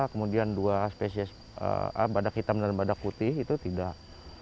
kemudian dua spesies badak hitam dan badak putih itu tidak